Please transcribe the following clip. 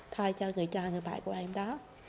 thay cho người cha người bạn của em đó